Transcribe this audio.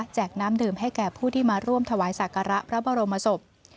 น้ำดื่มให้แก่ผู้ที่มาร่วมถวายศักระพระบรมศพ